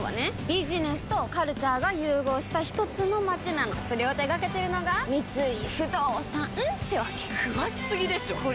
ビジネスとカルチャーが融合したひとつの街なのそれを手掛けてるのが三井不動産ってわけ詳しすぎでしょこりゃ